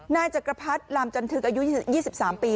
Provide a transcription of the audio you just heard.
นายจักรพรรดิลามจันทึกอายุ๒๓ปี